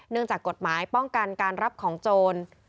จากกฎหมายป้องกันการรับของโจร